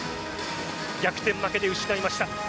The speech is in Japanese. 逆転負けで失いました。